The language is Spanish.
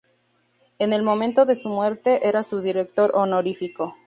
En el momento de su muerte era su director honorífico.